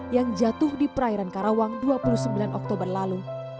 yang jatuh di perairan karawang dua puluh sembilan oktober lalu